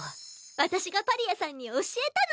私がパリアさんに教えたの。